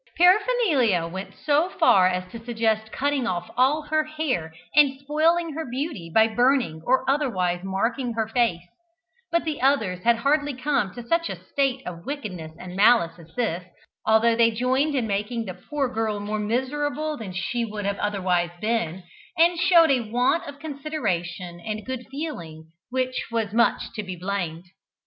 Paraphernalia went so far as to suggest cutting off all her hair, and spoiling her beauty by burning or otherwise marking her face; but the others had hardly come to such a state of wickedness and malice as this, although they joined in making the poor girl more miserable than she would otherwise have been, and showed a want of consideration and good feeling which was much to be blamed.